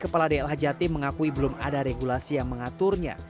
kepala dlhjt mengakui belum ada regulasi yang mengaturnya